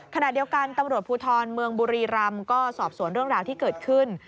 ขณะเดียวกันตำรวจภูทรเมืองบุรีรำก็สอบสวนเรื่องราวที่เกิดขึ้น